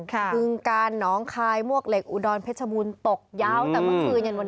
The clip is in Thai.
คือการหนองคายมวกเหล็กอุดรเพชมูลตกย้าวตั้งเมื่อคืนอย่างวันนี้